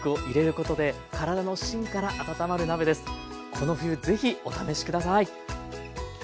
この冬ぜひお試し下さい。